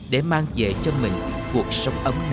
để mang về cho mình cuộc sống ấm non giàu sang